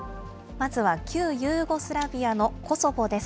まずは、旧ユーゴスラビアのコソボです。